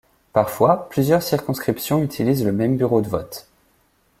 Parfois, plusieurs circonscriptions utilisent le même bureau de vote.